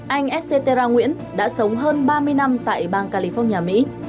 anh s c t ra nguyễn đã sống hơn ba mươi năm tại bang california mỹ